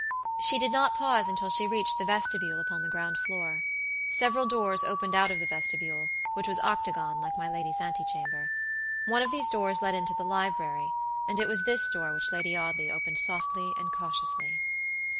She did not pause until she reached the vestibule upon the ground floor. Several doors opened out of the vestibule, which was octagon, like my lady's ante chamber. One of these doors led into the library, and it was this door which Lady Audley opened softly and cautiously.